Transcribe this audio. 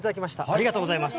ありがとうございます。